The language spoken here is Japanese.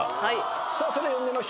さあそれでは呼んでみましょう。